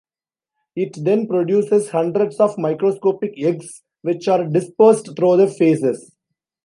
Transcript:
It then produces hundreds of microscopic eggs, which are dispersed through the feces.